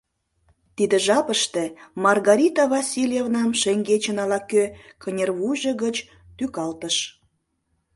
Тиде жапыште Маргарита Васильевнам шеҥгечын ала-кӧ кынервуйжо гыч тӱкалтыш.